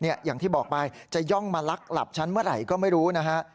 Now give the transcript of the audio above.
อย่างที่บอกไปจะย่องมาลักหลับฉันเมื่อไหร่ก็ไม่รู้นะฮะ